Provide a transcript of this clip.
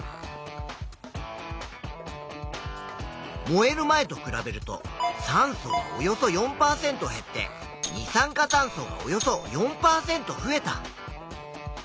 燃える前と比べると酸素がおよそ４％減って二酸化炭素がおよそ４％増えた。